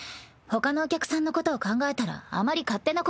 ほかのお客さんのことを考えたらあまり勝手なことは。